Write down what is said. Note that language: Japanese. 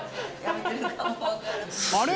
あれ？